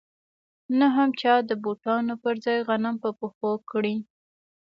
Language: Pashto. نه هم چا د بوټانو پر ځای غنم په پښو کړي